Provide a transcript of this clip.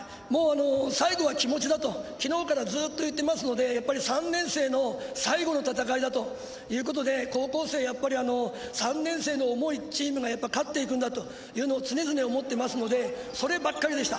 最後は気持ちだと昨日からずっと言ってますので３年生の最後の戦いだということで高校生、３年生の思いでチームが勝っていくんだと常々思っていますのでそればかりでした。